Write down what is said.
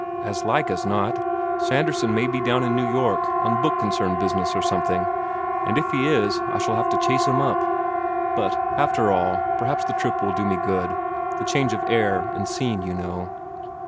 As like as not Sanderson may be down in New York, on Book Concern business or something; and if he is, I shall have to chase him up. But, after all, perhaps the trip will do me good the change of air and scene, you know."